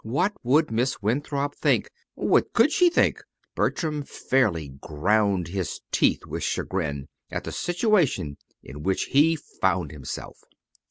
What would Miss Winthrop think? What could she think? Bertram fairly ground his teeth with chagrin, at the situation in which he found himself.